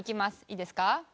いいですか？